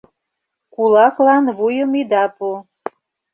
КУЛАКЛАН ВУЙЫМ ИДА ПУ